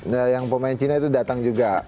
nah yang pemain cina itu datang juga